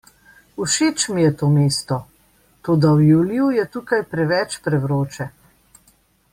Všeč mi je to mesto, toda v juliju je tukaj preveč prevroče.